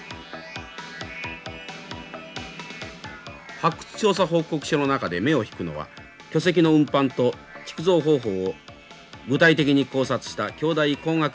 発掘調査報告書の中で目を引くのは巨石の運搬と築造方法を具体的に考察した京大工学部の高橋夫教授の論文です。